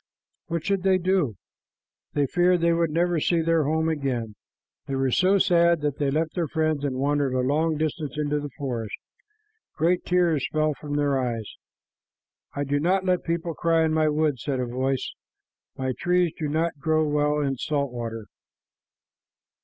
What should they do? They feared they would never see their home again. They were so sad that they left their friends and wandered a long distance into the forest. Great tears fell from their eyes. "I do not let people cry in my woods," said a voice. "My trees do not grow well in salt water."